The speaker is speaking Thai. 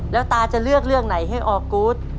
แล้วตาจะเลือกเรื่องไหนให้ออกูธ